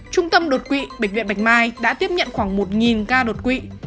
trung tâm đột quỵ bệnh viện bạch mai đã tiếp nhận khoảng một ca đột quỵ